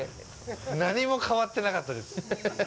何も変わってなかったです。